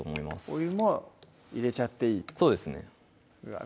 お湯も入れちゃっていいそうですねうわ